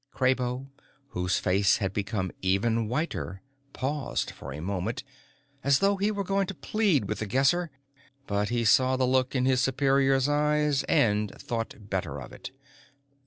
Kraybo, whose face had become even whiter, paused for a moment, as though he were going to plead with The Guesser. But he saw the look in his superior's eyes and thought better of it.